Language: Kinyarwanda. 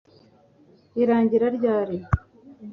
irangira ryari